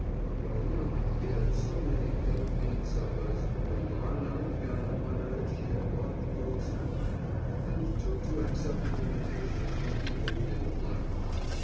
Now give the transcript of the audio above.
For a month we had so many baked bean suppers, your Ma and I began to wonder if she had bought the world's supply, and took to accepting invitations from people we didn't like.